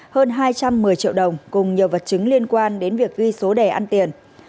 hơn hai trăm một mươi triệu đồng cùng nhiều vật chứng liên quan đến việc ghi số đề ăn tiền